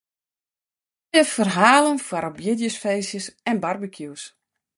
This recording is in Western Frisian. It binne moaie ferhalen foar op jierdeifeestjes en barbekjûs.